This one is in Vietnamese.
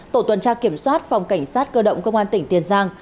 tổ tuần tra kiểm soát phòng cảnh sát cơ động công an tỉnh tiền giang